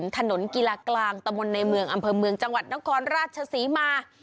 ถนนกีฬากลางตะมนต์ในเมืองอำเภอเมืองจังหวัดนครราชศรีมา